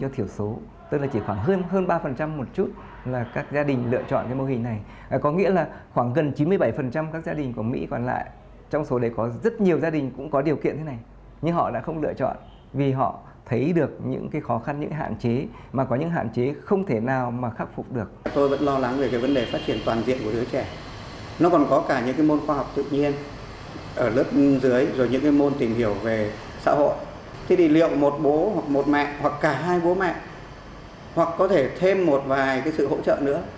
thế thì liệu một bố hoặc một mẹ hoặc cả hai bố mẹ hoặc có thể thêm một vài cái sự hỗ trợ nữa